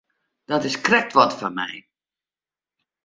Dat is krekt wat foar my.